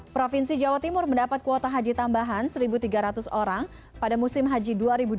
provinsi jawa timur mendapat kuota haji tambahan satu tiga ratus orang pada musim haji dua ribu dua puluh